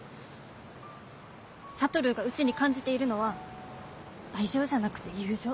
智がうちに感じているのは愛情じゃなくて友情。